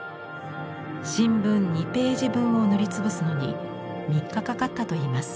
新聞２ページ分を塗り潰すのに３日かかったといいます。